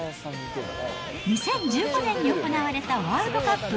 ２０１５年に行われたワールドカップ。